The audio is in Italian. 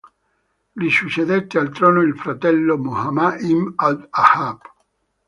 Gli succedette al trono il fratello Muhammad ibn Abd Al-Haqq.